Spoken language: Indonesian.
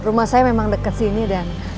iya rumah saya memang deket sini dan